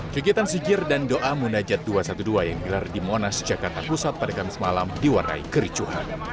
kegiatan sigir dan doa munajat dua ratus dua belas yang digelar di monas jakarta pusat pada kamis malam diwarnai kericuhan